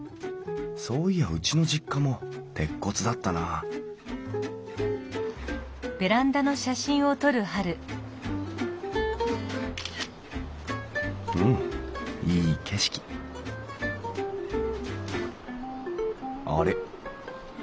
そういやうちの実家も鉄骨だったなぁうんいい景色あれ？